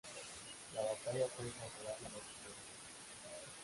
La batalla fue favorable a los romanos.